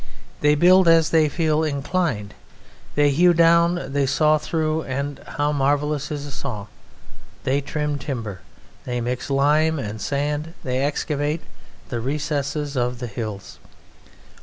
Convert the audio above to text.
They build as they feel inclined. They hew down, they saw through (and how marvellous is a saw!), they trim timber, they mix lime and sand, they excavate the recesses of the hills.